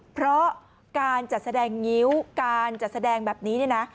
เพราะการจัดแสดงงิ้วการจัดแสดงแบบนี้เนี่ยนะ